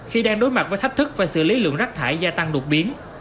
khi đang đối mặt với thách thức và xử lý lượng rác thải gia tăng đột biến